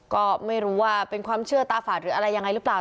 ก็ไม่รู้ว่าเป็นความเชื่อตาฝาดหรืออะไรยังไงหรือเปล่า